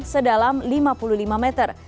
sedalam lima puluh lima meter